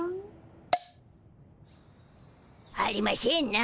ありましぇんな。